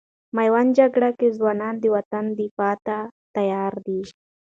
میوند جګړې کې ځوانان د وطن دفاع ته تیار دي.